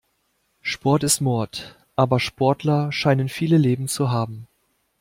Sport ist Mord, aber Sportler scheinen viele Leben zu haben.